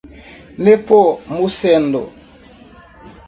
Nepomuceno